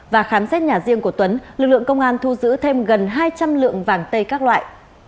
và khám xét nhà riêng của tuấn lực lượng công an thu giữ thêm gần hai trăm linh lượng vàng tây các loại